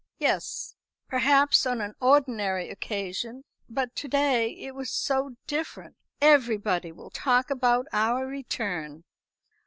"Yes, perhaps on an ordinary occasion. But to day it was so different. Everybody will talk about our return."